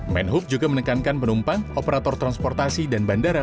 menhub juga menekankan penumpang operator transportasi dan bandara